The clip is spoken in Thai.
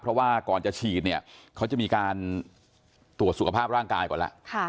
เพราะว่าก่อนจะฉีดเนี่ยเขาจะมีการตรวจสุขภาพร่างกายก่อนแล้ว